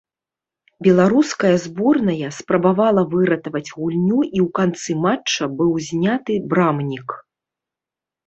Беларуская зборная спрабавала выратаваць гульню і ў канцы матча быў зняты брамнік.